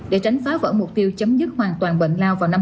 để tránh phá vỡ mục tiêu chấm dứt hoàn toàn bệnh lao vào năm hai nghìn ba mươi